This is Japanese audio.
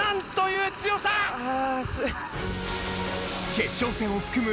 決勝戦を含む